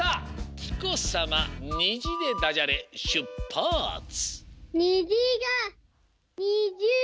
きこさま「にじ」でダジャレしゅっぱつ！